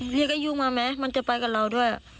เรียกไอ้ยูมามั้ยมันจะไปกับเราด้วย